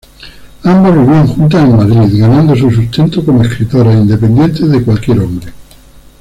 Ambas vivían juntas en Madrid, ganando su sustento como escritoras, independientes de cualquier hombre.